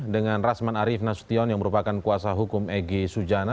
dengan rasman arief nasution yang merupakan kuasa hukum egy sujana